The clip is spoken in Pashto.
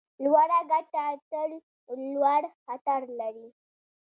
لوړه ګټه تل لوړ خطر لري.